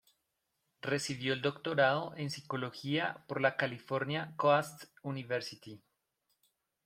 Recibió el doctorado en psicología por la California Coast University.